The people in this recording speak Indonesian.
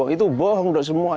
itu bohong untuk semua